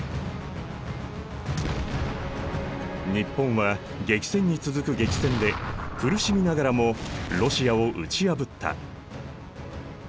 日本は激戦に続く激戦で苦しみながらもロシアを打ち破った。